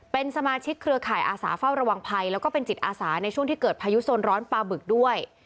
เป็นสมาชิกเครือข่ายอาสาเฝ้าระวังภัยแล้วก็เป็นจิตอาสาในช่วงที่เกิดพายุโซนร้อนปลาบึกด้วย